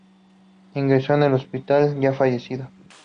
Ingresó en el hospital ya fallecido.